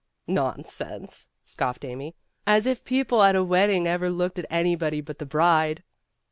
"Nonsense!" scoffed Amy, "As if people at a wedding ever looked at anybody but the bride!"